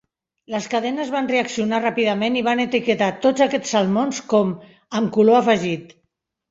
Les cadenes van reaccionar ràpidament i van etiquetar tots aquests salmons com "amb color afegit".